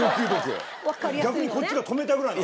逆にこっちが止めたぐらいなの。